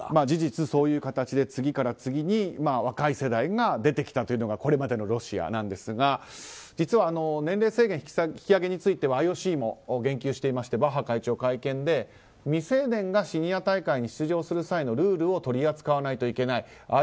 事実そういう形で次から次に若い世代が出てきたというのがこれまでのロシアですが実は年齢制限引き上げについてはＩＯＣも言及していましてバッハ会長、会見で未成年がシニア大会に出場する際のルールを取り扱わないといけない。